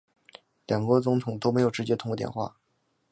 两国总统都没有直接通过电话